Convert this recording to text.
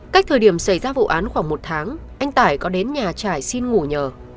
cách thời điểm xảy ra vụ án khoảng một tháng anh tải có đến nhà trải xin ngủ nhờ